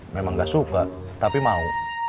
memang gak suka tapi mau